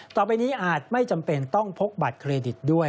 ต่อไปนี้อาจไม่จำเป็นต้องพกบัตรเครดิตด้วย